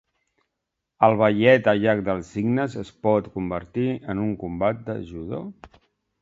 El ballet El llac dels cignes es pot convertir en un combat de judo?